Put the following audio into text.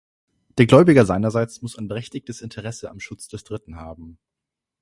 Der Gläubiger seinerseits muss ein „berechtigtes Interesse“ am Schutz des Dritten haben.